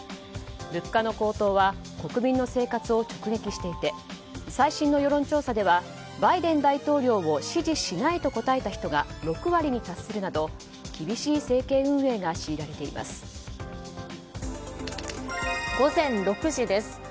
物価の高騰は国民の生活を直撃していて最新の世論調査ではバイデン大統領を支持しないと答えた人が６割に達するなど厳しい政権運営が強いられています。